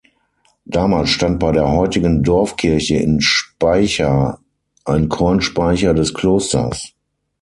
Damals stand bei der heutigen Dorfkirche in Speicher ein Kornspeicher des Klosters.